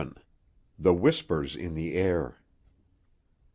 THE WHISPERS IN THE AIR.